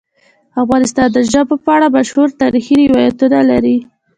افغانستان د ژبو په اړه مشهور تاریخی روایتونه لري.